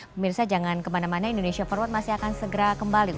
pemirsa jangan kemana mana indonesia forward masih akan segera kembali